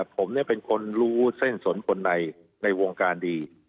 ผมเป็นคนรู้เส้นสนคนในในวงการดี